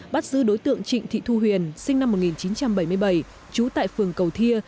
bắt giữ đối tượng trịnh thị thu huyền sinh năm một nghìn chín trăm bảy mươi bảy trú tại phường cầu thia